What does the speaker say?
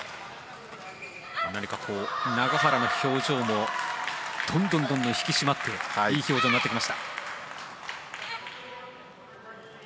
何か、永原の表情もどんどん引き締まっていい表情になってきました。